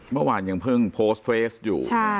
เมื่อวานยังเพิ่งโพสต์เฟสอยู่